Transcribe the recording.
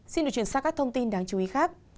xin được truyền xác các thông tin đáng chú ý khác